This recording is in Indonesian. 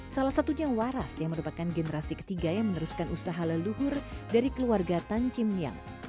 salah satunya waras yang merupakan generasi ketiga yang meneruskan usaha leluhur dari keluarga tan cimyang